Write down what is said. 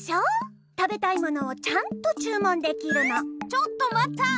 ちょっとまった！